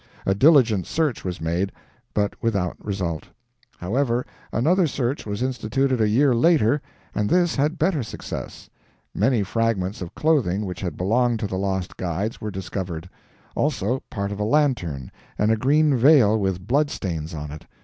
A diligent search was made, but without result. However, another search was instituted a year later, and this had better success. Many fragments of clothing which had belonged to the lost guides were discovered; also, part of a lantern, and a green veil with blood stains on it.